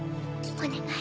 お願い。